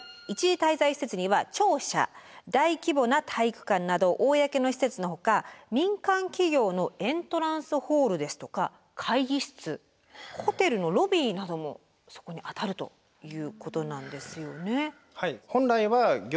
一時滞在施設には庁舎大規模な体育館など公の施設のほか民間企業のエントランスホールですとか会議室ホテルのロビーなどもそこにあたるということなんですよね。